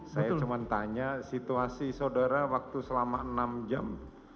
saya cuma tanya situasi saudara waktu selama enam jam